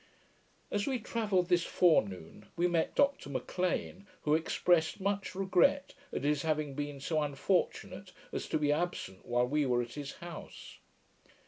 As we travelled this forenoon, we met Dr M'Lean, who expressed much regret at his having been so unfortunate as to be absent while we were at his house.